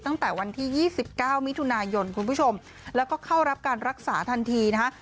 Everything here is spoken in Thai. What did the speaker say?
ตั้งแต่วันที่๒๙มิถุนายนคุณผู้ชมแล้วก็เข้ารับการรักษาทันทีนะฮะ